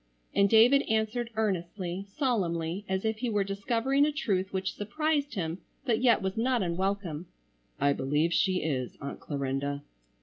and David answered earnestly, solemnly, as if he were discovering a truth which surprised him but yet was not unwelcome. "I believe she is, Aunt Clarinda."